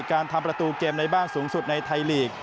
การทำประตูเกมในบ้านสูงสุดในไทยลีก